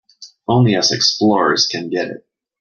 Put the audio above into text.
Only us explorers can get it.